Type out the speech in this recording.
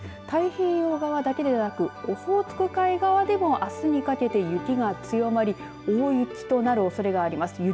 太平洋側だけでなくオホーツク海側でもあすにかけて雪が強まり大雪となるおそれがあります。